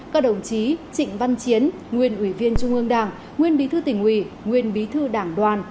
các đồng chí trịnh văn chiến nguyên ủy viên trung ương đảng nguyên bí thư tỉnh ủy nguyên bí thư đảng đoàn